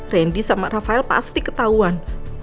randy sama rafael pasti ketahuan